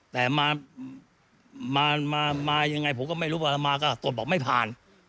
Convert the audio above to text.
แต่มา